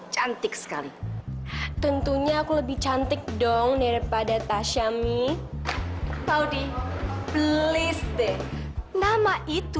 cantik sekali tentunya aku lebih cantik dong daripada tasya mi paudi please deh nama itu